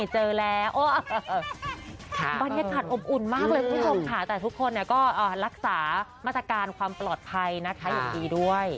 ใช่นะคะอย่างนี้ด้วย